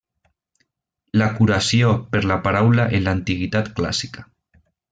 La curació per la paraula en l'Antiguitat clàssica.